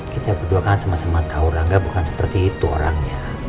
kita berdua kan sama sama tahu rangga bukan seperti itu orangnya